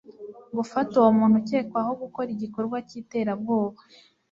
gufata uwo muntu ukekwaho gukora igikorwa k'iterabwoba